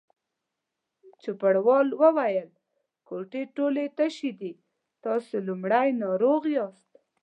چوپړوال وویل: کوټې ټولې تشې دي، تاسې لومړنی ناروغ یاست.